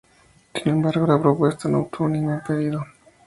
Sin embargo, la propuesta no obtuvo ningún pedido.